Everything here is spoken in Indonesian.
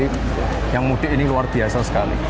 pemudik ini luar biasa sekali